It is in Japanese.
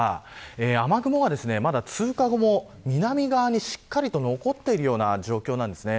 雨雲は通過後も南側にしっかりと残っている状況です。